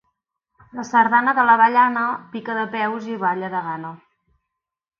La sardana de l'avellana: pica de peus i balla de gana.